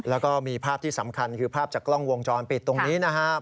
แล้วก็มีภาพที่สำคัญคือภาพจากกล้องวงจรปิดตรงนี้นะครับ